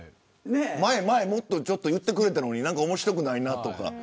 前はもっと言ってくれたのに面白くないなとか。